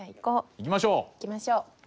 行きましょう。